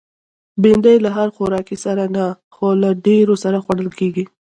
بېنډۍ له هر خوراکي سره نه، خو له ډېرو سره خوړل کېږي